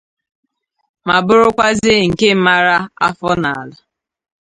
ma bụrụkwazie nke mara afọ n'ala